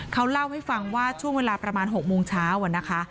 เขาเล่าให้ฟังว่าช่วงเวลาประมาณ๖โมงเช้านะคะ